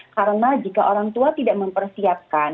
karena jika orang tua tidak mempersiapkan